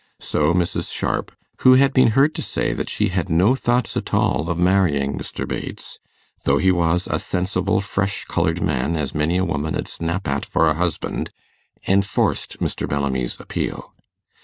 So Mrs. Sharp, who had been heard to say that she had no thoughts at all of marrying Mr. Bates, though he was 'a sensable fresh coloured man as many a woman 'ud snap at for a husband,' enforced Mr. Bellamy's appeal.